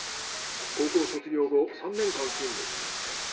高校卒業後３年間勤務。